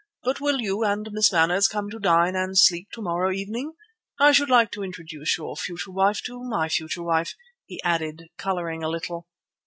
But will you and Miss Manners come to dine and sleep to morrow evening? I should like to introduce your future wife to my future wife," he added, colouring a little.